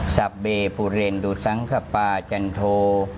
สับเบพุเรนดุสังขปาจันโท